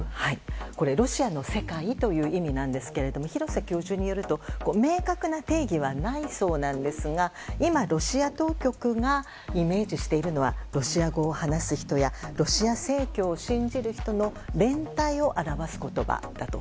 ロシアの世界という意味なんですが廣瀬教授によると明確な定義はないそうなんですが今、ロシア当局がイメージしているのはロシア語を話す人やロシア正教を信じる人の連帯を表す言葉だと。